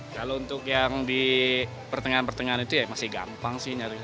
kalau untuk yang di pertengahan pertengahan itu ya masih gampang sih nyari